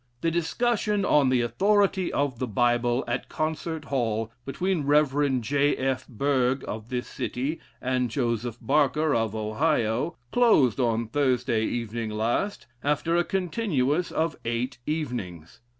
The discussion on the authority of the Bible, at Concert Hall, between Rev. J. F. Berg, of this city and Joseph Barker, of Ohio, closed on Thursday evening last, after a continuance of eight evenings.